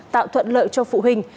tạo thuận lợi cho phụ huynh